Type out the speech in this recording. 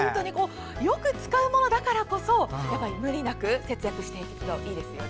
よく使うものだからこそ無理なく節約していけるといいですね。